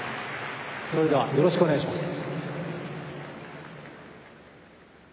それでは、よろしくお願いします。